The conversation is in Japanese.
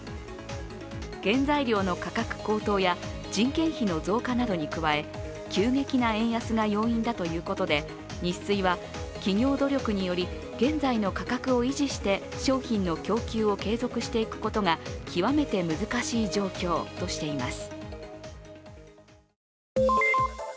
原材料の価格高騰や人件費の増加などに加え急激な円安が要因だということでニッスイは企業努力により現在の価格を維持して商品の供給を継続していくことが極めて難しい状況としています。